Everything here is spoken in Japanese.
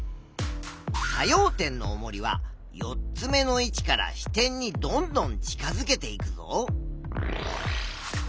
作用点のおもりは４つ目の位置から支点にどんどん近づけていくぞ。